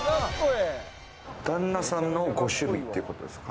旦那さんのご趣味ってことですか？